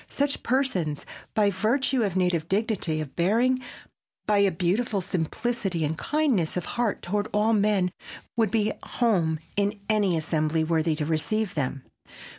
Such persons, by virtue of a native dignity of bearing, by a beautiful simplicity and a kindness of heart toward all men, would be at home in any assembly worthy to receive them.